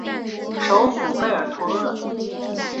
首府贝尔图阿。